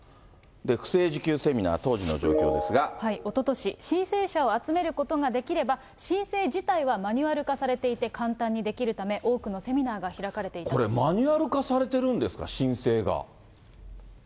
不正受給セミナー、おととし、申請者を集めることができれば、申請自体はマニュアル化されていて簡単にできるため、これ、マニュアル化されてるそうですね。